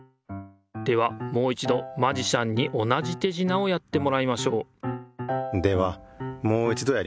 ではもういちどマジシャンに同じてじなをやってもらいましょうではもういちどやりますね。